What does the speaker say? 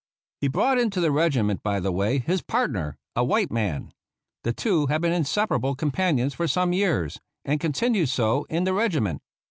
He brought into the regiment, by the way, his " partner," a white man. The two had been in separable companions for some years, and con tinued so in the regiment.